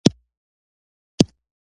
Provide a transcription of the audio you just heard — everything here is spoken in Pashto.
دواړه د يو بل پر ضد جهاد کوي.